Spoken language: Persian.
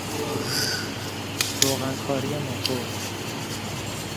روغن کاری موتور